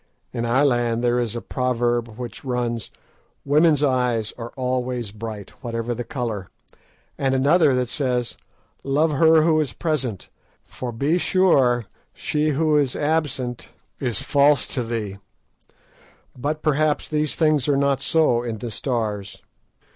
In our land there is a proverb which runs, 'Women's eyes are always bright, whatever the colour,' and another that says, 'Love her who is present, for be sure she who is absent is false to thee;' but perhaps these things are not so in the Stars.